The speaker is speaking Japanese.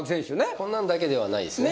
こんなんだけではないですね。